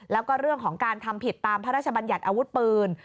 แล้วก็เรื่องของการทำผิดตามพระราชบัญญัติอาวุธปืน